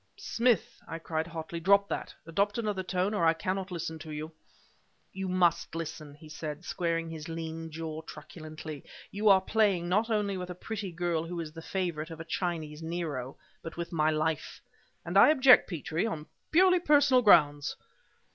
"Smith!" I cried hotly "drop that! Adopt another tone or I cannot listen to you!" "You must listen," he said, squaring his lean jaw truculently. "You are playing, not only with a pretty girl who is the favorite of a Chinese Nero, but with my life! And I object, Petrie, on purely personal grounds!"